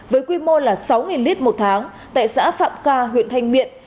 với quy mô là sáu lít một tháng tại xã phạm kha huyện thanh miện